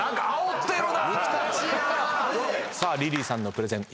リリーさんのプレゼン。